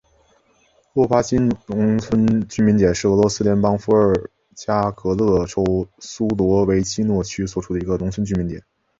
洛巴金农村居民点是俄罗斯联邦伏尔加格勒州苏罗维基诺区所属的一个农村居民点。